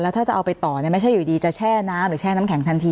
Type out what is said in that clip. ถ้าจะเอาไปต่อไม่ใช่อยู่ดีจะแช่น้ำหรือแช่น้ำแข็งทันที